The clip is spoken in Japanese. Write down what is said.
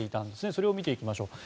それを見ていきましょう。